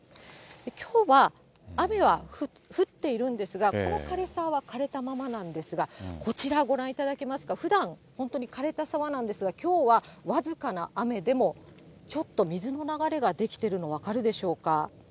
きょうは雨は降っているんですが、この枯れ沢は枯れたままなんですが、こちらご覧いただけますか、ふだん、本当に枯れた沢なんですが、きょうはわずかな雨でもちょっと水の流れが出来ているの、分かるでしょうか。